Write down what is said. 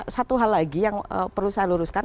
satu hal lagi yang perlu saya luruskan